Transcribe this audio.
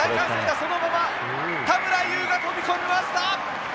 そのまま、田村優が飛び込みました。